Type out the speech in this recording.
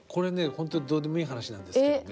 本当にどうでもいい話なんですけどね